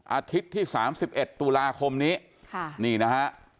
อาทิตย์ที่สามสิบเอ็ดตุลาคมนี้ค่ะนี่นะฮะ